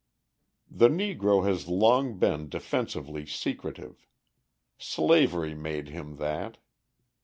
The Negro has long been defensively secretive. Slavery made him that.